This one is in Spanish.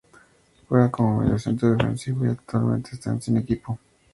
Juega como mediocentro defensivo y actualmente está sin equipo.